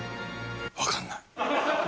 分かんない。